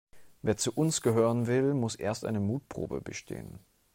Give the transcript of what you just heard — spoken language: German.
Wer zu uns gehören will, muss erst eine Mutprobe bestehen.